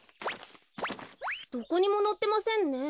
どこにものってませんね。